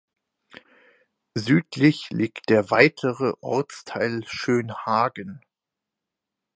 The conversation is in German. Südlich liegt der weitere Ortsteil Schönhagen.